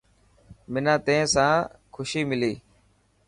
منان تين سان خوشي ملي.